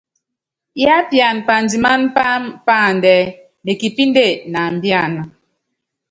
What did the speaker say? Yiápiana pandimáná páámɛ páandɛ́, nekipìnde, náambíana.